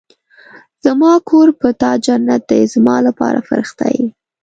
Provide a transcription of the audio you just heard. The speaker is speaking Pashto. زما کور په تا جنت دی زما لپاره فرښته يې